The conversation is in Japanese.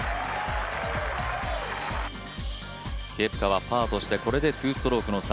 ケプカはパーとしてこれで２ストロークの差。